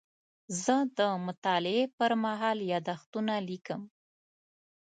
زه د مطالعې پر مهال یادښتونه لیکم.